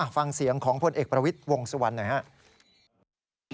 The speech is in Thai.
ฟังเสียงของพลเอกประวิทย์วงสุวรรณหน่อยครับ